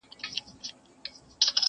عجايب يې دي رنگونه د ټوكرانو!!